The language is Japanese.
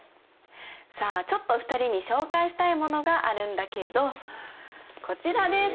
さあちょっと２人に紹介したいものがあるんだけどこちらです！